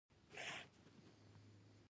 هغه په اندازه ورته ګران دی.